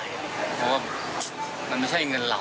เพราะว่ามันไม่ใช่เงินเรา